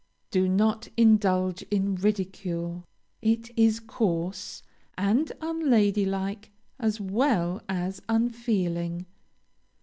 Do not indulge in ridicule. It is coarse and unlady like as well as unfeeling.